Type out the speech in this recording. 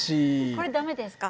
これ駄目ですか？